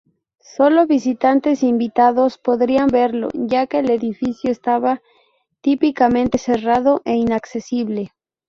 Sólo visitantes invitados podrían verlo, ya que el edificio estaba típicamente cerrado e inaccesible.